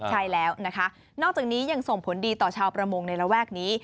ใช่แล้วนะคะนอกจากนี้ยังส่งผลดีต่อชาวประมงในระแวกนี้